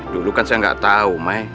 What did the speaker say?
dulu kan saya nggak tahu mai